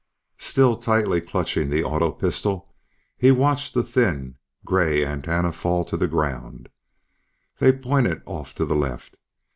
Still tightly clutching the auto pistol, he watched the thin, grey antennae fall to the ground. They pointed off to the left.